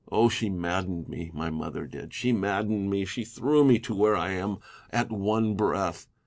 Oh, she maddened me, my mother did, she maddened me — she threw me to where I am at one breath.